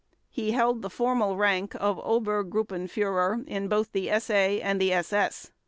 He held the formal rank of Obergruppenführer in both the SA and the SS.